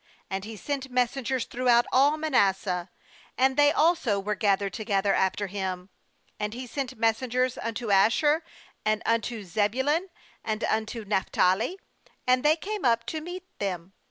35And he sent messengers throughout all Manasseh; and they also were gathered together after him; and he sent messengers un to Asher, and unto Zebulun, and unto Naphtali; and they came up to meet them.